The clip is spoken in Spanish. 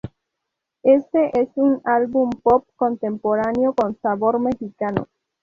Este es un álbum pop contemporáneo con sabor mexicano.